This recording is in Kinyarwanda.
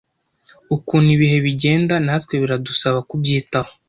Ukuntu ibihe bigenda .natwe biradusaba kubyitaho.